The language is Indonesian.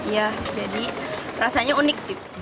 iya jadi rasanya unik